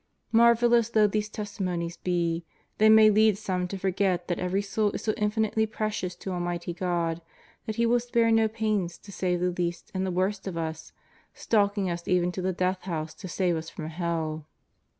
Marvelous though these testimonies be, they may lead some to forget that every soul is so infinitely precious to almighty God that He will spare no pains to save the least and the worst of us, stalking us even to the death house to save us from hell.